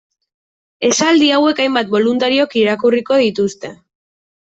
Esaldi hauek hainbat boluntariok irakurriko dituzte.